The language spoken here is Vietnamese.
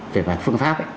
về phương pháp ấy